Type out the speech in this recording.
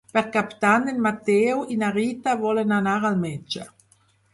Per Cap d'Any en Mateu i na Rita volen anar al metge.